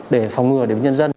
để phòng ngừa đến nhân dân